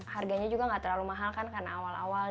harganya juga nggak terlalu mahal kan karena awal awal